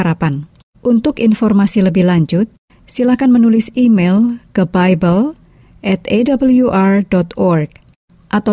haleluya aku gembira bersama yesus ku bahagia